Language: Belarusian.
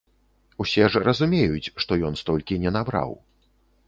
Усе ж разумеюць, што ён столькі не набраў.